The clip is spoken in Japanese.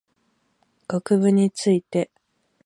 学部について